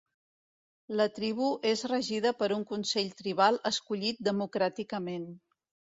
La tribu és regida per un consell tribal escollit democràticament.